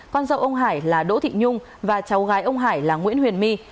con dâu ông hải là đỗ thị nhung và cháu gái ông hải là nguyễn huyền my